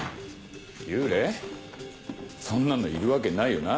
そんなのいるわけないよな？